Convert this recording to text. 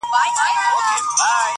لکه چرگ، غول خوري، مشوکه څنډي.